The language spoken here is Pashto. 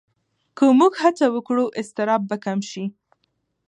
که موږ هڅه وکړو، اضطراب به کم شي.